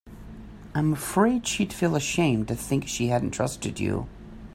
I'm afraid she'd feel ashamed to think she hadn't trusted you.